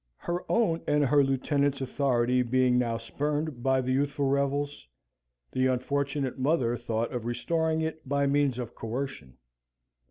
Her own and her lieutenant's authority being now spurned by the youthful rebels, the unfortunate mother thought of restoring it by means of coercion.